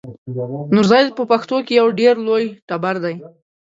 نورزی په پښتنو کې یو ډېر لوی ټبر دی.